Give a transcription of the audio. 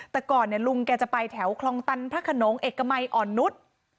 แต่ก่อนลุงจะจะไปแถวคลองตันพระโขนนงเอ็กฟ์มัยอ่อนนุทส์